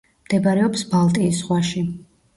მდებარეობს ბალტიის ზღვაში.